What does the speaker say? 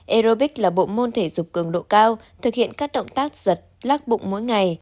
aerobic là bộ môn thể dục cường độ cao thực hiện các động tác giật lắc bụng mỗi ngày